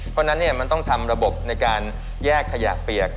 เพราะฉะนั้นมันต้องทำระบบในการแยกขยะเปียก